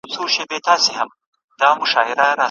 هوسا کړي مي لا نه وه د ژوند ستړي سفرونه